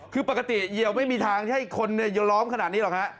คือปกติเหยียวไม่มีทางให้คนจะล้อมขนาดนี้หรอกฮะ